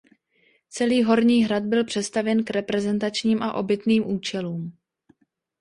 Celý horní hrad byl přestavěn k reprezentačním a obytným účelům.